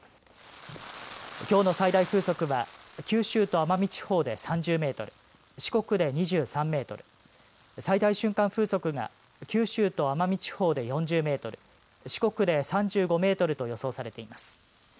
きょうの最大風速は九州と奄美地方で３０メートル、四国で２３メートル、最大瞬間風速が九州と奄美地方で４０メートル、四国で３５メートルと予想されています。